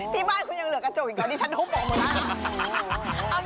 ที่บ้านคุณอยากเหลือกระจกอีกแล้วนี่ชั้นฮุพง